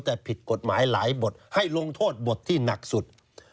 แต่ผิดกฎหมายหลายบทให้ลงโทษบทที่หนักสุด